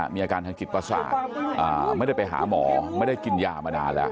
มีอาการทางจิตประสาทไม่ได้ไปหาหมอไม่ได้กินยามานานแล้ว